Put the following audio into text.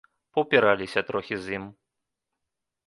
Паўпіраліся трохі з ім.